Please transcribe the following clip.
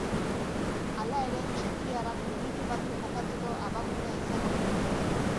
Hala ere, txekiarrak minutu batzuk jokatzeko abagunea izango du.